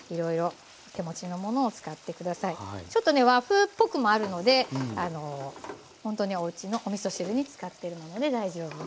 ちょっとね和風っぽくもあるのでほんとにおうちのおみそ汁に使ってるもので大丈夫です。